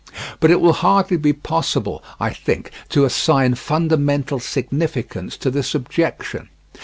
But it will hardly be possible, I think, to assign fundamental significance to this objection.